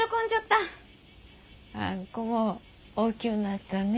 あん子も大きゅうなったね。